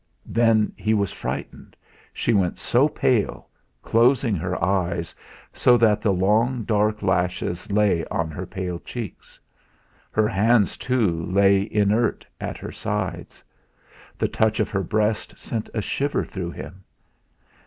Then he was frightened she went so pale, closing her eyes, so that the long, dark lashes lay on her pale cheeks; her hands, too, lay inert at her sides. The touch of her breast sent a shiver through him.